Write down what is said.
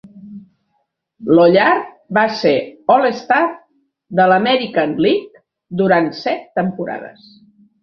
Lollar va ser All-Star de l'American League durant set temporades.